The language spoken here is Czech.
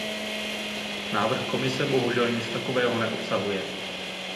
Návrh Komise bohužel nic takového neobsahuje.